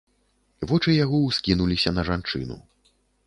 Вочы яго ўскінуліся на жанчыну.